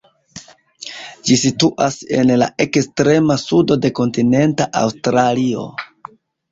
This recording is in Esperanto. Ĝi situas en la ekstrema sudo de kontinenta Aŭstralio.